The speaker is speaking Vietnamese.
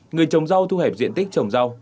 người trồng rau thu hẹp diện tích trồng rau